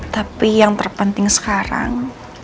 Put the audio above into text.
tapi yang terpenting sekarang